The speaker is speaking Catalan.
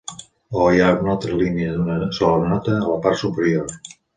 Oh, i hi ha una altra línia d'una sola nota a la part superior.